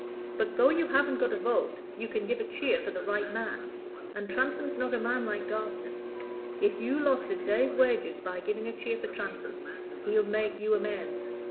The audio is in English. But though you haven't got a vote you can give a cheer for the right man, and Transome's not a man like Garstin; if you lost a day's wages by giving a cheer for Transome, he'll make you amends.